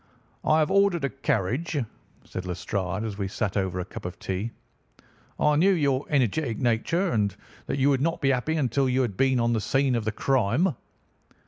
"I have ordered a carriage," said Lestrade as we sat over a cup of tea. "I knew your energetic nature, and that you would not be happy until you had been on the scene of the crime."